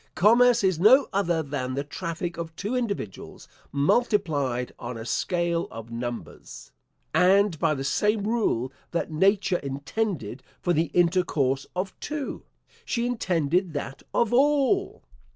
Commerce is no other than the traffic of two individuals, multiplied on a scale of numbers; and by the same rule that nature intended for the intercourse of two, she intended that of all.